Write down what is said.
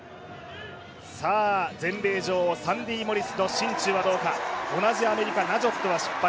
さあ、全米女王サンディ・モリスの心中はどうか同じアメリカのナジョットは失敗。